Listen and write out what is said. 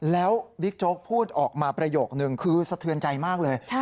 แล้วบิ๊กโจ๊กพูดออกมาประโยคนึงคือสะเทือนใจมากเลย